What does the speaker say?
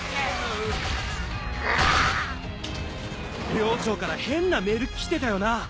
寮長から変なメール来てたよな？